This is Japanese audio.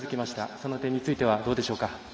その点についてはどうでしょうか。